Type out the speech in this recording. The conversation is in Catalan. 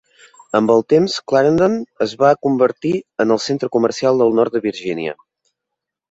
Amb el temps, Clarendon es va convertir en el centre comercial del nord de Virgínia.